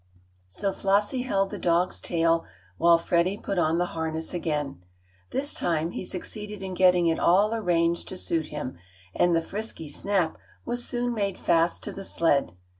So Flossie held the dog's tail, while Freddie put on the harness again. This time he succeeded in getting it all arranged to suit him, and the frisky Snap was soon made fast to the sled.